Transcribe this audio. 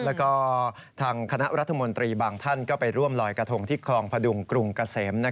แล้วก็ทางคณะรัฐมนตรีบางท่านก็ไปร่วมลอยกระทงที่คลองพดุงกรุงเกษม